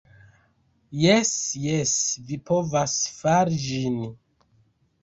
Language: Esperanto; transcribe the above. "Jes jes, vi povas fari ĝin.